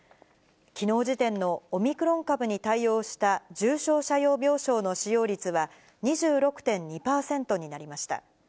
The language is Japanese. きのう時点のオミクロン株に対応した重症者用病床の使用率は、２６．２％になりました。